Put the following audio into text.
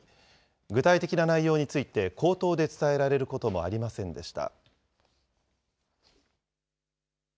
具体的な内容について口頭で伝えられることもありませんでした。